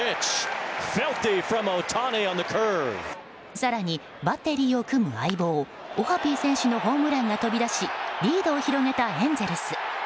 更に、バッテリーを組む相棒オハピー選手のホームランが飛び出し飛び出しリードを広げたエンゼルス。